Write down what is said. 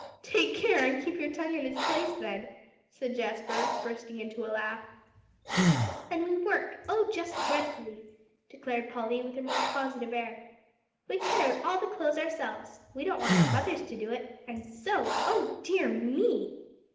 "Take care, and keep your tongue in its place then," said Jasper, bursting into a laugh. "And we work oh, just dreadfully," declared Polly with her most positive air. "We cut out all the clothes ourselves. We don't want our mothers to do it; and sew oh dear me!"